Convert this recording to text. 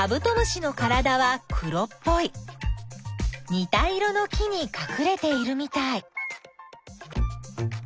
にた色の木にかくれているみたい。